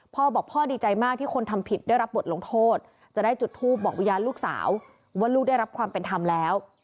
พ่อบอกพ่อดีใจมากที่คนทำผิดได้รับบทลงโทษจะได้จุดทูปบอกวิญญาณลูกสาวว่าลูกได้รับความเป็นธรรมแล้ว